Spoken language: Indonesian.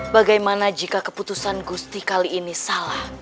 bagaimana jika keputusan gusti kali ini salah